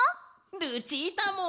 ルチータも！